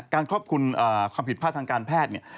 การควบคุมความผิดผ้าทางการแพทย์